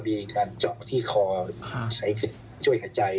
มีการเจาะที่คอใช้ช่วยหายใจ